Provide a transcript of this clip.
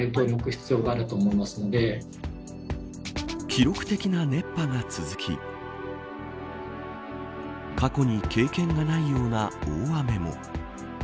記録的な熱波が続き過去に経験がないような大雨も。